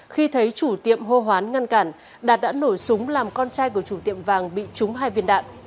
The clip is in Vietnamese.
khi thấy chủ tiệm hô hoán ngăn cản đạt đã nổ súng làm con trai của chủ tiệm vàng bị trúng hai viên đạn